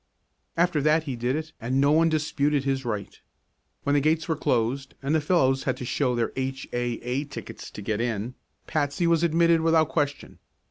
After that he did it and no one disputed his right. When the gates were closed and fellows had to show their H. A. A. tickets to get in, Patsy was admitted without question.